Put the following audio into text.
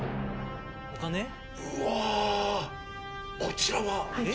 うわこちらは？